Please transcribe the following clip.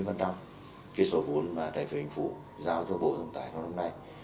chín mươi cái số vốn mà đại phế hình phủ giao cho bộ thông tải trong năm nay